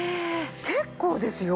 結構ですよ。